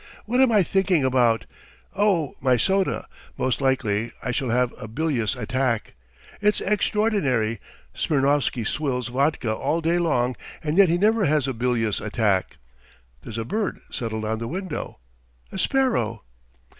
"What am I thinking about? Oh my soda. ... Most likely I shall have a bilious attack. ... It's extraordinary, Smirnovsky swills vodka all day long and yet he never has a bilious attack. ... There's a bird settled on the window ... a sparrow.